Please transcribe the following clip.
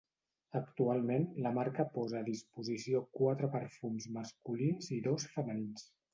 Actualment la marca posa a disposició quatre perfums masculins i dos femenins.